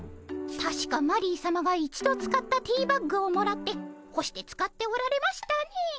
たしかマリーさまが一度使ったティーバッグをもらってほして使っておられましたね。